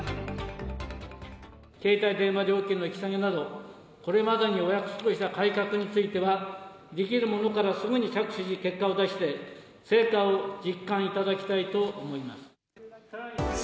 携帯電話料金の引き下げなど、これまでにお約束した改革については、できるものからすぐに着手し、結果を出して、成果を実感いただきたいと思います。